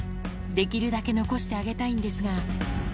できるだけ残してあげたいんですが。